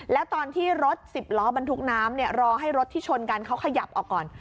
แล้วตอนที่รถสิบล้อบรรทุกน้ำรอให้รถที่ชนกันเขาขยับออกก่อน